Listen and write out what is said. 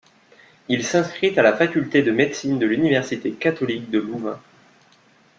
Il s'inscrit à la faculté de médecine de l'Université catholique de Louvain.